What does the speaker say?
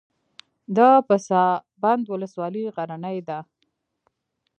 د پسابند ولسوالۍ غرنۍ ده